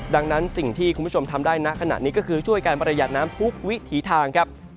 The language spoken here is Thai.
ดังนั้นสิ่งที่คุณผู้ชมทำได้ณขณะนี้ก็คือช่วยการประหยัดน้ำทุกวิถีทางครับ